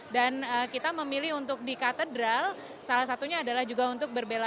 dan kita memilih untuk di katedral salah satunya adalah juga untuk berbelasah